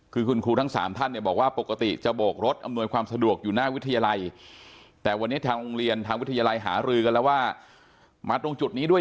คือคุณครูทั้ง๓ท่านบอกว่าปกติจะโบกรถอำนวยความสะดวกอยู่หน้าวิทยาลัย